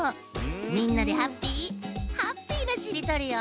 みんなでハッピーハッピーなしりとりよ。